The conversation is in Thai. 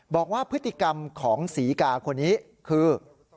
บอกว่าพฤติกรรมของศรีกาคนนี้คือ